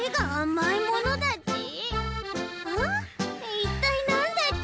いったいなんだち？